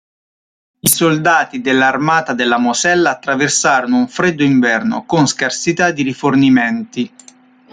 I soldati dell'Armata della Mosella attraversarono un freddo inverno, con scarsità di rifornimenti.